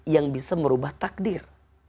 yang bisa merubah takdir